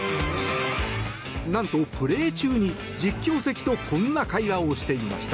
なんとプレー中に実況席とこんな会話をしていました。